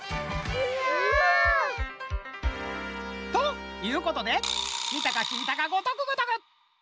うわ！ということでみたかきいたかごとくごとく！